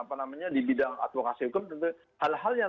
advokasi hukum hal hal yang